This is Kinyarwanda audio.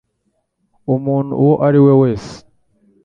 umuntu uwo ari we wese,